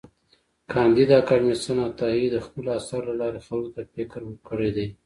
کانديد اکاډميسن عطايي د خپلو اثارو له لارې خلکو ته فکر ورکړی دی.